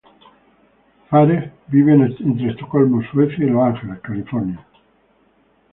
Fares vive entre Estocolmo, Suecia, y Los Ángeles, California.